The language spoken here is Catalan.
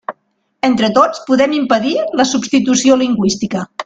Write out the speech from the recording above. Entre tots podem impedir la substitució lingüística.